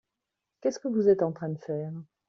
Qu'est-ce que vous êtes en train de faire ?